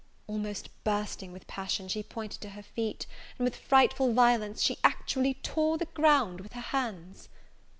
Almost bursting with passion, she pointed to her feet, and with frightful violence she actually tore the ground with her hands.